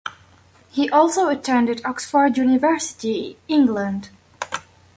He also attended Oxford University, England.